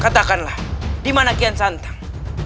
katakanlah dimana kian santang